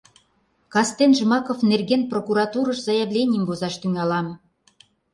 Кастен Жмаков нерген прокуратурыш заявленийым возаш тӱҥалам...